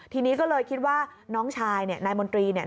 ทีนี้ก็เลยคิดว่าน้องชายเนี่ยนายมนตรีเนี่ย